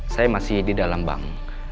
saya masih di dalam bank